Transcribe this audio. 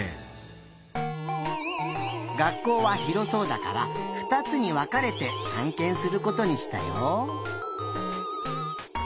学校はひろそうだからふたつにわかれてたんけんすることにしたよ。